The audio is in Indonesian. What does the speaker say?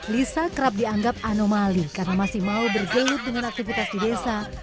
lisa kerap dianggap anomali karena masih mau bergelut dengan aktivitas di desa